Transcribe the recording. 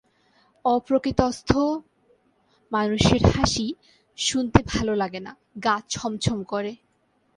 অপ্রকৃতিস্থ মানুষের হাসি শুনতে ভাললাগে না, গা ছমছম করে।